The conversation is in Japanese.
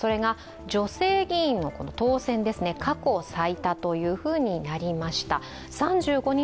女性議員の当選ですね、過去最多というふうになりました。